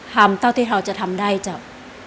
ทำเท่าที่เราจะทำได้เจ้า